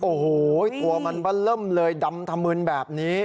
โอ้โหตัวมันบะเริ่มเลยดำธมึนแบบนี้